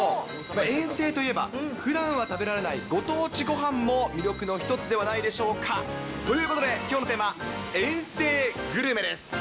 遠征といえば、ふだんは食べられないご当地ごはんも魅力の一つではないでしょうか。ということで、きょうのテーマ、遠征グルメです。